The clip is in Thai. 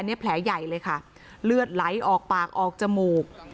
แผลใหญ่เลยค่ะเลือดไหลออกปากออกจมูก